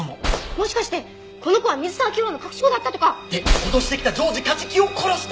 もしかしてこの子は水沢キヨラの隠し子だったとか！で脅してきたジョージ梶木を殺した！